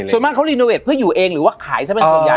ส่วนมากเขารีโนเวทเพื่ออยู่เองหรือว่าขายซะเป็นส่วนใหญ่